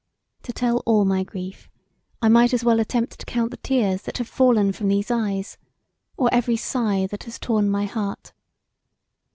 To tell all my grief I might as well attempt to count the tears that have fallen from these eyes, or every sign that has torn my heart.